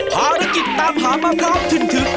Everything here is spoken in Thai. ภารกิจตามหามะพร้าวทึ่น